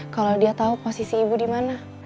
kalau dia tau posisi ibu dimana